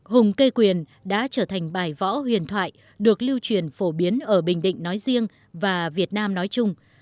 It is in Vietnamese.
hùng cây quyền đã trở thành bài võ huyền thoại được lưu truyền phổ biến ở bình định nói riêng và việt nam nói chung